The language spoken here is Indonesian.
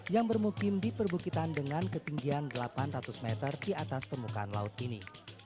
yang bermukim di perbukitan dengan ketinggian delapan ratus meter di atas permukaan laut ini